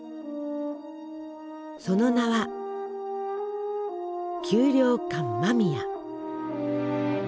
その名は給糧艦間宮。